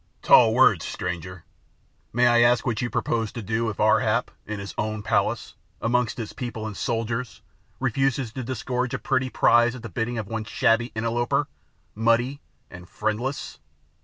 "Tall words, stranger! May I ask what you propose to do if Ar hap, in his own palace, amongst his people and soldiers, refuses to disgorge a pretty prize at the bidding of one shabby interloper muddy and friendless?"